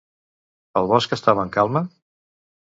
El bosc estava en calma?